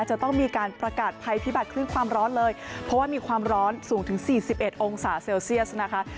จะต้องมีการประกาศภัยพิบัตรคลื่นความร้อนเลยเพราะว่ามีความร้อนสูงถึง๔๑องศาเซลเซียสนะคะ